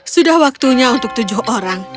sudah waktunya untuk tujuh orang